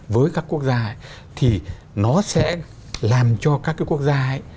với các quốc gia thì nó sẽ làm cho các cái quốc gia ấy